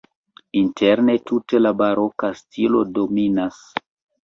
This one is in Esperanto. Interne tute la baroka stilo dominas.